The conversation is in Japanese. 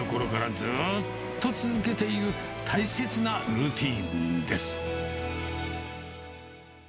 先代のころからずっと続けている、大切なルーティンです。